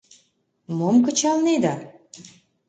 — Мом кычалнеда?